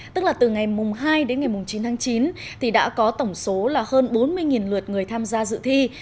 tức là từ ngày hai đến ngày chín tháng chín thì đã có tổng số là hơn bốn mươi lượt người tham gia dự thi